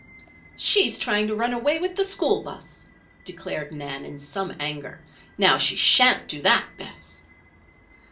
"She's trying to run away with the school 'bus," declared Nan, in some anger. "Now, she sha'n't do that, Bess!"